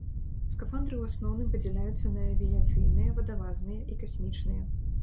Скафандры ў асноўным падзяляюцца на авіяцыйныя, вадалазныя і касмічныя.